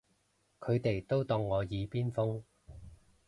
佢哋都當我耳邊風